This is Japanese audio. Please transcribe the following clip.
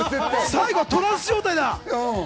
最後、トランス状態だ。